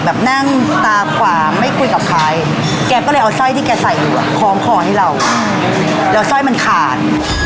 แบบนั่งตาขวาไม่คุยกับใครแกก็เลยเอาสร้อยที่แกใส่อยู่อ่ะคล้องคอให้เราแล้วสร้อยมันขาด